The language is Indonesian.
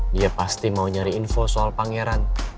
dia pasti mau nyari info soal pangeran